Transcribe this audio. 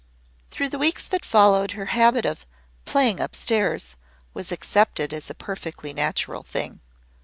Through the weeks that followed her habit of "playing up stairs" was accepted as a perfectly natural thing.